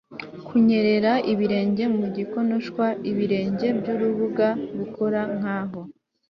kunyerera ibirenge mu gikonoshwa, ibirenge byurubuga, gukora nkaho